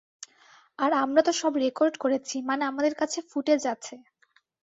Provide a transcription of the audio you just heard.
আর আমরা তো সব রেকর্ড করেছি, মানে আমাদের কাছে ফুটেজ আছে।